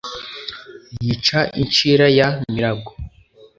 Yica inshira ya Mirago